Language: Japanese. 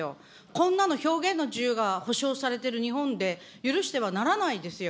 こんなの表現の自由が保障されてる日本で許してはならないですよ。